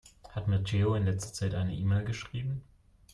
Hat mir Theo in letzter Zeit eine E-Mail geschrieben?